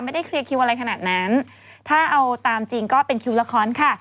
ไม่ได้เคลียร์คิวอะไรขนาดนั้นถ้าเอาตามจริงก็เป็นคิวละครค่ะ